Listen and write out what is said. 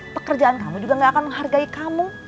pekerjaan kamu juga gak akan menghargai kamu